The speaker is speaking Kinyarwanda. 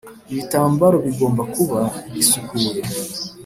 Ibitambaro bigomba kuba bisukuye